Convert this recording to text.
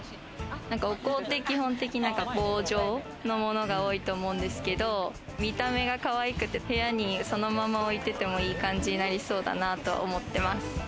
お香って基本的に棒状のものが多いと思うんですけど、見た目がかわいくて、部屋にそのまま置いてても、いい感じになりそうだなと思ってます。